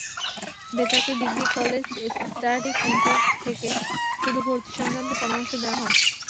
Betagi degree college study centre থেকে শুধু ভর্তিসংক্রান্ত পরামর্শ দেওয়া হয়।